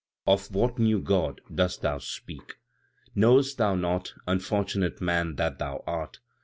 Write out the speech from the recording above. "Of what new God dost thou speak? Knowest thou not, unfortunate man that thou art!